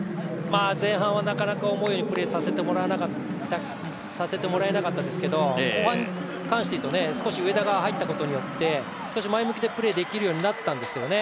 前半はなかなか思うようにプレーさせてもらえなかったですけど後半に関していうと、少し上田が入ったことによって前向きなプレーできるようになったんですけどね。